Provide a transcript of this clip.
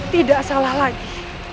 tidak salah lagi